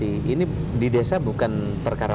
ini di desa bukan perkara